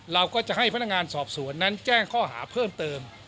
เราก็จะให้พนักงานสอบสวนนั้นแจ้งข้อหาเพิ่มเติม